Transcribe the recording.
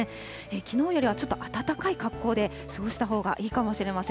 きのうよりはちょっと暖かい格好で過ごしたほうがいいかもしれません。